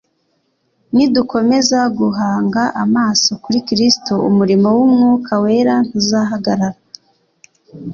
Nidukomeza guhanga amaso kuri Kristo umurimo w'Umwuka Wera ntuzahagarara